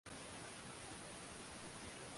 wafuasi wa Ukristo wa Kiorthodoksi hadi mapinduzi